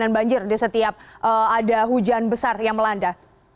banjir di setiap ada hujan besar yang melanda